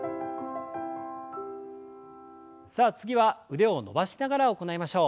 さあ次は腕を伸ばしながら行いましょう。